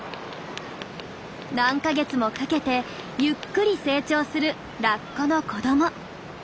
何か月もかけてゆっくり成長するラッコの子ども。